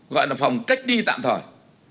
gọi là phòng cách đi tạm thời